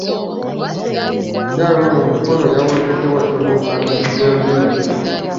Omukyala ono Mukono yawonedde watono ab'ebijambiya.